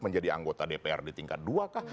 menjadi anggota dpr di tingkat dua kah